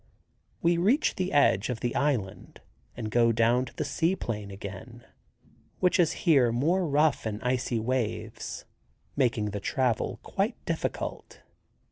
We reach the edge of the island and go down to the sea plain again, which is here more rough in icy waves, making the travel quite difficult.